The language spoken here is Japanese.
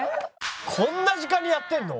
こんな時間にやってんの？